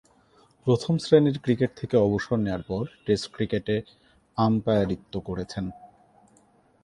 প্রথম-শ্রেণীর ক্রিকেট থেকে অবসর নেয়ার পর টেস্ট ক্রিকেটে আম্পায়ারিত্ব করেছেন।